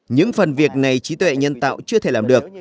những phần việc này trí tuệ nhân tạo chưa thể làm được